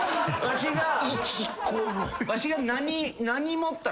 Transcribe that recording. わしが。